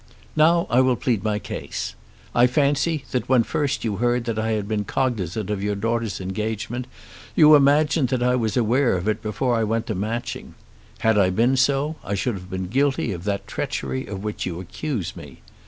Now I will plead my case. I fancy, that when first you heard that I had been cognisant of your daughter's engagement, you imagined that I was aware of it before I went to Matching. Had I been so, I should have been guilty of that treachery of which you accuse me.